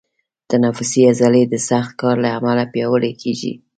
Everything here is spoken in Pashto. تنفسي عضلې د سخت کار له امله پیاوړي کېږي.